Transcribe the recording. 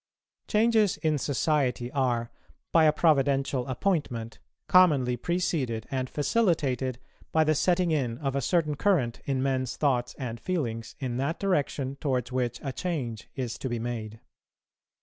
Changes in society are, by a providential appointment, commonly preceded and facilitated by the setting in of a certain current in men's thoughts and feelings in that direction towards which a change is to be made.